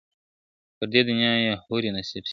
پر دې دنیا یې حوري نصیب سوې `